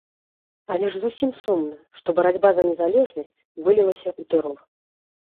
Але ж зусім сумна, што барацьба за незалежнасць вылілася ў тэрор.